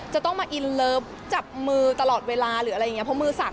จะต้องมาอินเลิฟจับมือตลอดเวลาหรืออะไรอย่างเงี้ย